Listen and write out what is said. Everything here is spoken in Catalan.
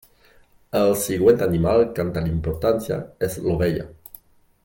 El següent animal quant a importància és l'ovella.